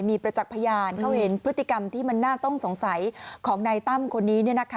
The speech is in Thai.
มีประจักษ์พยานเขาเห็นพฤติกรรมที่มันน่าต้องสงสัยของนายตั้มคนนี้